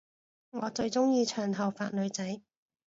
我最鐘意長頭髮女仔